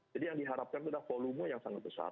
jadi yang diharapkan itu adalah volume yang sangat besar